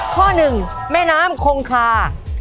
ข้อหนึ่งแม่น้ำคงคา